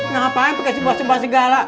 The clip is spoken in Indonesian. ngapain pake si basah basah gala